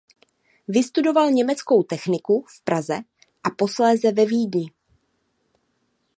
Vystudoval německou techniku v Praze a posléze ve Vídni.